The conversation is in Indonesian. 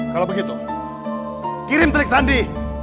kalau begitu kirim trik sandi